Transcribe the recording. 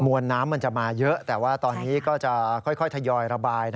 วนน้ำมันจะมาเยอะแต่ว่าตอนนี้ก็จะค่อยทยอยระบาย